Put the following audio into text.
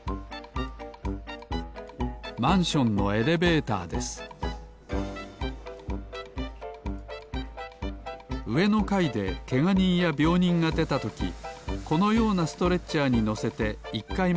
マンションのエレベーターですうえのかいでけがにんやびょうにんがでたときこのようなストレッチャーにのせて１かいまではこびます